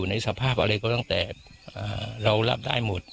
ในสภาพบานเรารับได้มด